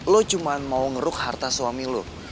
lo cuma mau ngeruk harta suami lo